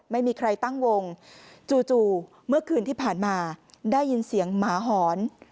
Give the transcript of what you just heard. ไม่มีใครตั้งวงจู่เมื่อคืนที่ผ่านมาได้ยินเสียงหมาหอน